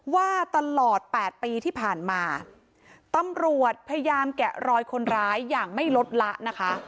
ว่าตลอด๘ปีที่ผ่านมาตำรวจพยายามแกะรอยคนร้ายอย่างไม่ลดละนะคะ